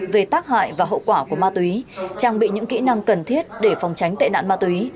về tác hại và hậu quả của ma túy trang bị những kỹ năng cần thiết để phòng tránh tệ nạn ma túy